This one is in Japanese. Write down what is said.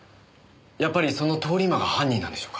やっぱりその通り魔が犯人なんでしょうか？